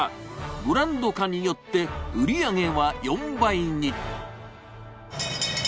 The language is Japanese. ブランド化によって売り上げは４倍に。